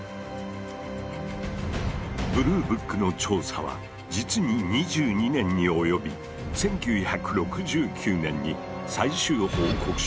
ブルーブックの調査は実に２２年に及び１９６９年に最終報告書を発表。